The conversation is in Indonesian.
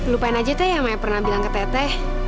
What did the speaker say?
lupain aja teh yang maya pernah bilang ke tete